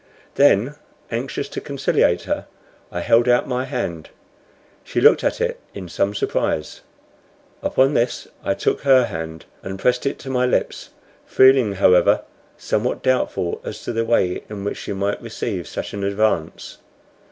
Then, anxious to conciliate her, I held out my hand. She looked at it in some surprise. Upon this I took her hand, and pressed it to my lips, feeling, however, somewhat doubtful as to the way in which she might receive such an advance.